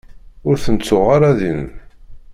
Ur ten-tuɣ ara din.